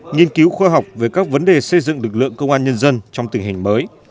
nghiên cứu khoa học về các vấn đề xây dựng lực lượng công an nhân dân trong tình hình mới